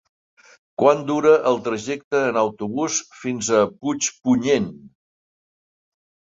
Quant dura el trajecte en autobús fins a Puigpunyent?